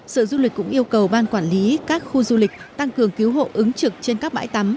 sở du lịch cũng yêu cầu ban quản lý các khu du lịch tăng cường cứu hộ ứng trực trên các bãi tắm